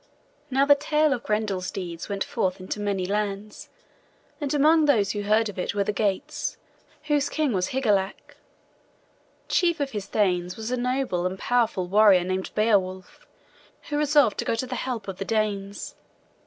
Now the tale of Grendel's deeds went forth into many lands; and amongst those who heard of it were the Geats, whose king was Higelac. Chief of his thanes was a noble and powerful warrior named Beowulf, who resolved to go to the help of the Danes.